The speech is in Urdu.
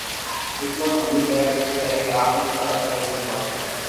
حکمت عملی طے کرتی ہے کہ آپ کس سطح کے رہنما ہیں۔